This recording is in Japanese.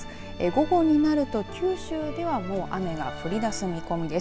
午後になると九州では雨が降り出す見込みです。